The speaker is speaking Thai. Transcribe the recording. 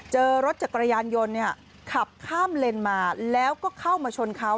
เจอรถจักรยานยนต์ขับข้ามเลนมาแล้วก็เข้ามาชนเขา